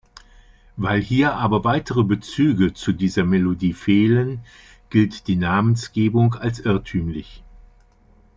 Weil hier aber weitere Bezüge zu dieser Melodie fehlen, gilt die Namensgebung als irrtümlich.